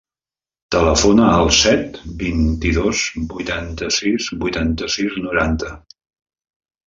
Telefona al set, vint-i-dos, vuitanta-sis, vuitanta-sis, noranta.